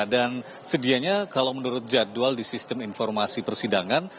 dan sedianya kalau menurut jadwal di sistem informasi persidangan